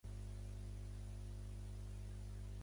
Krieger va néixer a Los Angeles, Califòrnia, a una família jueva.